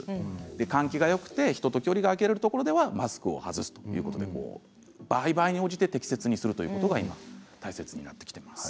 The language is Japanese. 換気がよくて人と距離があるところではマスクを外すということで場合場合に応じて適切にすることが大切だと思います。